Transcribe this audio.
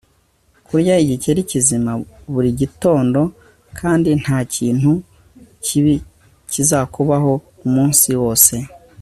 Kurya igikeri kizima buri gitondo kandi ntakintu kibi kizakubaho umunsi wose